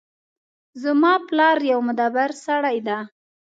زما پلار یو مدبر سړی ده